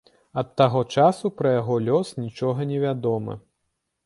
Ад таго часу пра яго лёс нічога невядома.